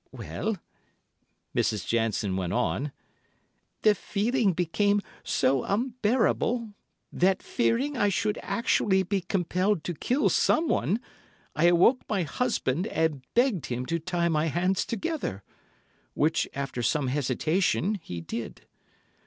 "Well," Mrs. Jansen went on, "the feeling became so unbearable, that fearing I should actually be compelled to kill someone, I awoke my husband and begged him to tie my hands together; which, after some hesitation, he did.